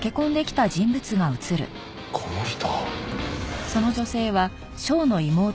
この人。